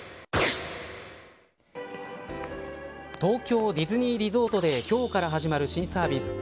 東京ディズニーリゾートで今日から始まる新サービス